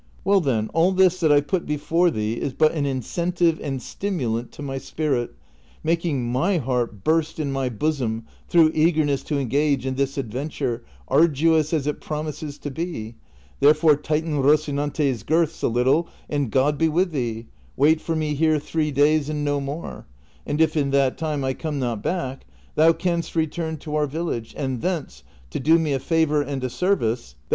AVell, then, all this that I put before thee is but an incentive and stimulant to my spirit, making my heart burst in my bosom through eagerness to engage in this adventure, arduous as it promises to be ; therefore tighten Rocinante's girths a little, and God be with thee ; wait for me here three days and no more, and if in that time I come not back, thou canst return to our village, and thence, to do me a favor and a service, thou 136 DON QUIXOTE.